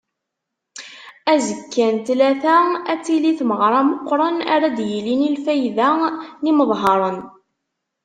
Azekka n ttlata ad tili tmeɣra meqqren ara d-yilin i lfayda n yimeḍharen.